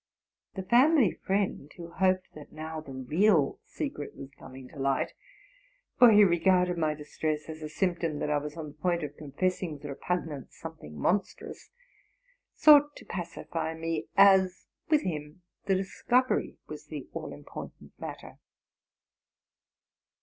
The family friend, who hoped that now the real secret was coming to light (for he regarded my distress as a symptom that L was on the point of confessing with repug nance something monstrous), sought to pacify me; as with him the discovery was the all important matter.